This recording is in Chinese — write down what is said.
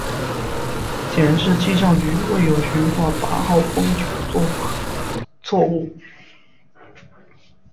显示气象局未有悬挂八号风球做法错误。